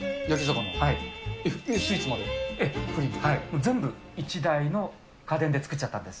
これ全部１台の家電で作っちゃったんです。